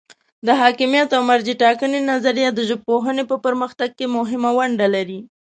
د حاکمیت او مرجع ټاکنې نظریه د ژبپوهنې په پرمختګ کې مهمه ونډه لري.